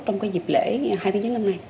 trong dịp lễ hai nghìn một mươi chín năm nay